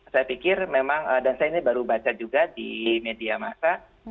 saya pikir memang dan saya ini baru baca juga di media masa